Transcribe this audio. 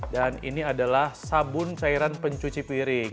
dan ini adalah sabun cairan pencuci piring